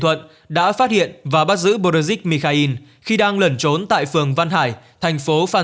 thuận đã phát hiện và bắt giữ boxik mikhail khi đang lẩn trốn tại phường văn hải thành phố phan